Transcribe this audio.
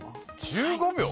１５秒？